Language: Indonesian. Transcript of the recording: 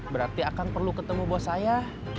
berarti akang perlu ketemu bos saya